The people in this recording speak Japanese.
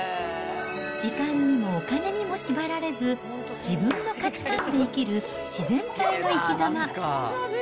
時間にもお金にも縛られず、自分の価値観で生きる自然体の生きざま。